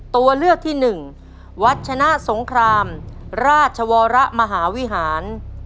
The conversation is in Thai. ตัวเลือกที่หนึ่งวัดชนะสงครามราชวรมหาวิหาร